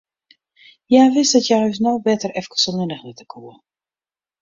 Hja wist dat hja ús no better efkes allinnich litte koe.